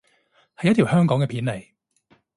係一條香港嘅片嚟